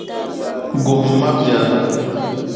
Guhimi ma biɛla.